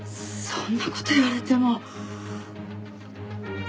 そんな事言われても。